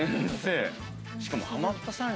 しかもハマったさん